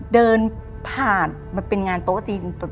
เดินผ่านมาเป็นงานโต๊ะจีน